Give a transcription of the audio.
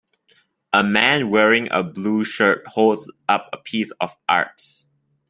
A man wearing a blue shirt holds up a piece of art.